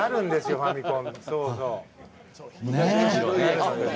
ファミコン。